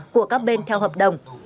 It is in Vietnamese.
của các bên theo hợp đồng